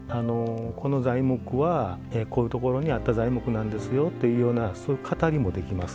この材木はこういうところにあった材木なんですよというようなそういう語りもできますので。